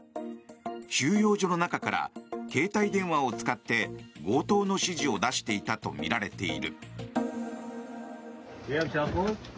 収容所の中から携帯電話を使って強盗の指示を出していたとみられている。